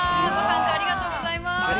ありがとうございます。